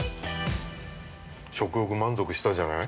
◆食欲、満足したじゃない？